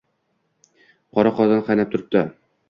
Qora qozon qaynab turibdi